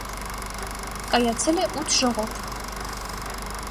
Կայացել է ութ ժողով։